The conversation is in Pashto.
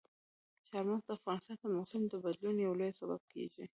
چار مغز د افغانستان د موسم د بدلون یو لوی سبب کېږي.